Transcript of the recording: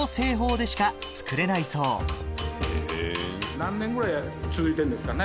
何年ぐらい続いてるんですかね